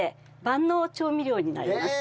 万能調味料になります。